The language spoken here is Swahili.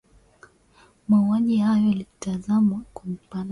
mauaji hayo yalitazamwa kwa upana sana